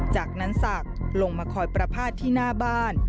จากนั้นศักดิ์ลงมาคอยประพาทที่หน้าบ้าน